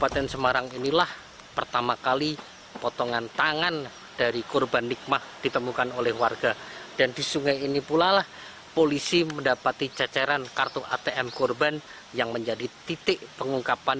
tersangka pelaku pembunuhan mengaku ia sakit hati disebut pengangguran oleh korban